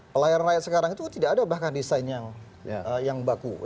pelayaran rakyat sekarang itu tidak ada bahkan desain yang baku